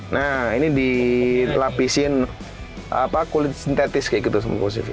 nah ini dilapisin kulit sintetis kayak gitu semua positif